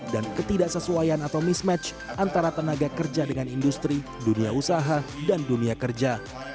dan ketidaksesuaian atau mismatch antara tenaga kerja dengan industri dunia usaha dan dunia kerja